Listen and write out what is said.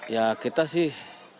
ya kita sih